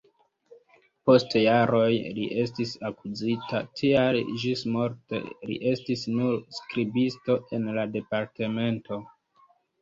Post jaroj li estis akuzita, tial ĝismorte li estis nur skribisto en la departemento.